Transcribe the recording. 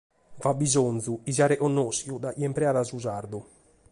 B’at bisòngiu chi siat reconnòschidu dae chie impreat su sardu.